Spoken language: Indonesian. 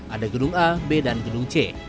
ada gedung a b dan gedung c